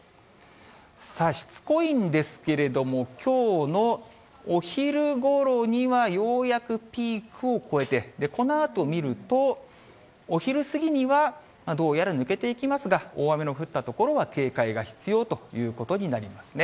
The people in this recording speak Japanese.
さあ、しつこいんですけれども、きょうのお昼ごろにはようやくピークを超えて、このあと見ると、お昼過ぎにはどうやら抜けていきますが、大雨の降った所は警戒が必要ということになりますね。